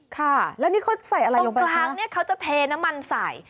ค่ะแล้วนี่เขาใส่อะไรตรงกลางเนี่ยเขาจะเทน้ำมันใส่